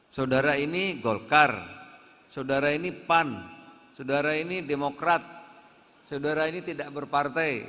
saudara ini golkar saudara ini pan saudara ini demokrat saudara ini tidak berpartai